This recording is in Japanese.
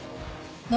何？